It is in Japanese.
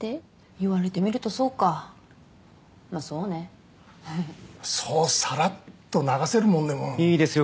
言われてみるとそうかまあそうねふふふっそうサラッと流せるもんでもいいですよ